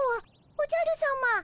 おじゃるさま。